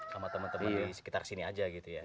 sama temen temen di sekitar sini aja gitu ya